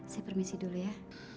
saya permisi dulu ya